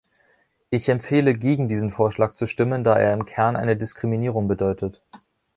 Ich empfehle, gegen diesen Vorschlag zu stimmen, da er im Kern eine Diskriminierung bedeutet.